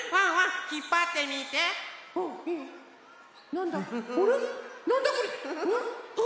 なんだ？